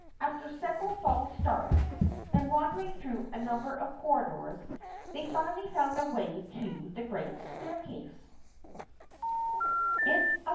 After several false starts, and wandering through a number of corridors, they finally found their way to the great staircase.